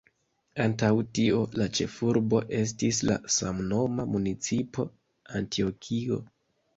Antaŭ tio, la ĉefurbo estis la samnoma municipo Antjokio.